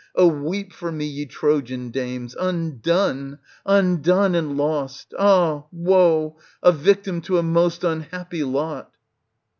Oh weep for me, ye Trojan dames ! Undone ! undone and lost ! ah woe ! a victim to a most unhappy lot